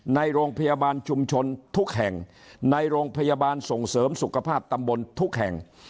ในโรงพยาบาลชุมชนทุกแห่งในโรงพยาบาลส่งเสริมสุขภาพตำบลทุกแห่ง